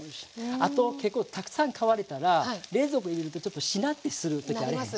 あと結構たくさん買われたら冷蔵庫入れるとちょっとしなってする時あれへん？